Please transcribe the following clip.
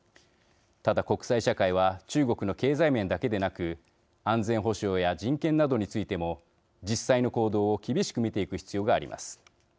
ただ、国際社会は中国の経済面だけでなく安全保障や人権などについても実際の行動を厳しく見ていく必要があります。